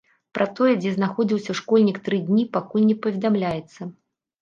Пра тое, дзе знаходзіўся школьнік тры дні, пакуль не паведамляецца.